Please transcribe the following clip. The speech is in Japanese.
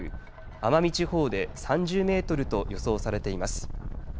奄美地方で３０メートルと予想されています。